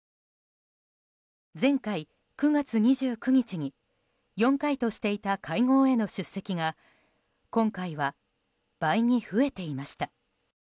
前回、９月２９日に４回としていた会合への出席が今回は倍に増えていました。